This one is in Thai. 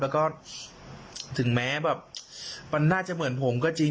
แล้วก็ถึงแม้แบบมันน่าจะเหมือนผมก็จริง